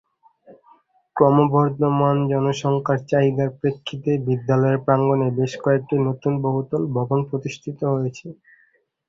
ক্রমবর্ধমান জনসংখ্যার চাহিদার প্রেক্ষিতে বিদ্যালয়ের প্রাঙ্গনে বেশ কয়েকটি নতুন বহুতল ভবন প্রতিষ্ঠিত হয়েছে।